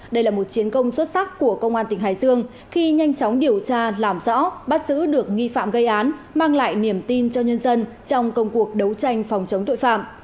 đây là một chiến công xuất sắc của công an tỉnh hải dương khi nhanh chóng điều tra làm rõ bắt giữ được nghi phạm gây án mang lại niềm tin cho nhân dân trong công cuộc đấu tranh phòng chống tội phạm